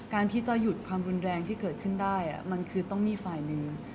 ที่จะหยุดความรุนแรงที่เกิดขึ้นได้มันคือต้องมีฝ่ายหนึ่ง